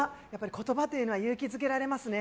言葉っていうのは勇気づけられますね。